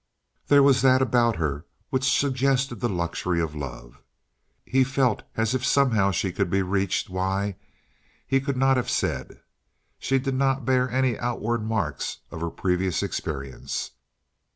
There was that about her which suggested the luxury of love. He felt as if somehow she could be reached why, he could not have said. She did not bear any outward marks of her previous experience.